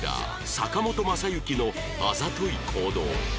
坂本昌行のあざとい行動